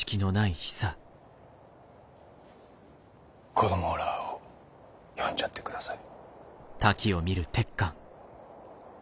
子供らを呼んじゃってください。